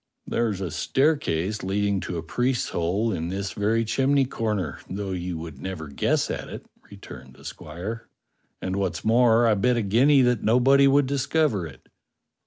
^" "There's a staircase leading to a priest's hole in this very chimney corner, though you would never guess at it," returned the squire. "And, what's more, I bet a guinea that nobody would discover it."